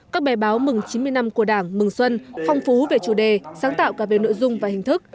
các bè báo mừng chín mươi năm của đảng mừng xuân phong phú về chủ đề sáng tạo cả về nội dung và hình thức